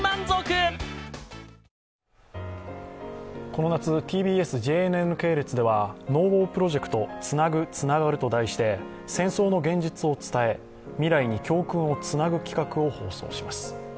この夏、ＴＢＳ、ＪＮＮ系列では「ＮＯＷＡＲプロジェクトつなぐ、つながる」と題して戦争の現実を伝え未来に教訓をつなぐ放送をします。